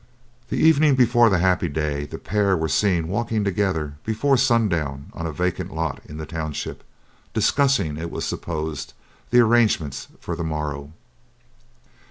The evening before the happy day the pair were seen walking together before sundown on a vacant lot in the township, discussing, it was supposed, the arrangements for the morrow.